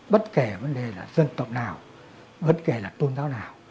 bất kể vấn đề là dân tộc nào bất kể là tôn giáo nào